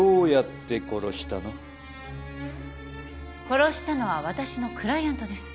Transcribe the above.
殺したのは私のクライアントです。